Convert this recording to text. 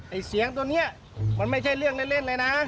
ไอ้เสียงตัวนี้มันไม่ใช่เรื่องเล่นเลยนะ